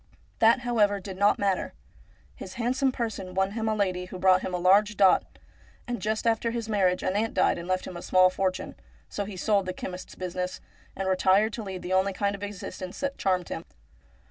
That, however, did not matter. His handsome person won him a lady who brought him a large dot ; and just after his marriage an aunt died and left him a small fortune, so he sold the chemist's business, and retired to lead the only kind of exist ence that charmed him.